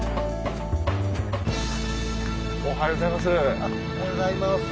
おはようございます。